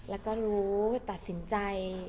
แล้วก็รู้ตัดสินใจ